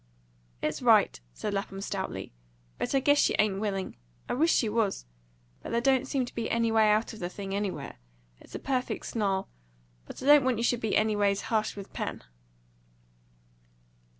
"It's right," said Lapham stoutly; "but I guess she ain't willing; I wish she was. But there don't seem to be any way out of the thing, anywhere. It's a perfect snarl. But I don't want you should be anyways ha'sh with Pen."